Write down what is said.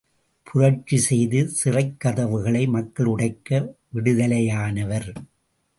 புரட்சி செய்து சிறைக் கதவுகளை மக்கள் உடைக்க விடுதலையானவர்.